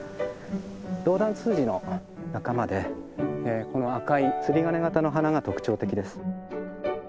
ドウダンツツジの仲間でこの赤い釣り鐘形の花が特徴的です。